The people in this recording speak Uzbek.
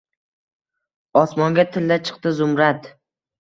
Osmonga tilla chiqdi, Zumrad.